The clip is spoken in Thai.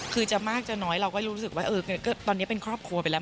คือจะมากจะน้อยเราก็รู้สึกว่าตอนนี้เป็นครอบครัวไปแล้ว